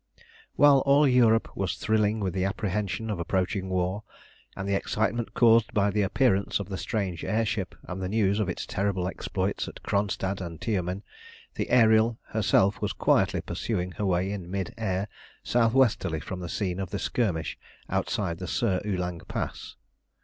While all Europe was thrilling with the apprehension of approaching war, and the excitement caused by the appearance of the strange air ship and the news of its terrible exploits at Kronstadt and Tiumen, the Ariel herself was quietly pursuing her way in mid air south westerly from the scene of the skirmish outside the Sir Ulang Pass.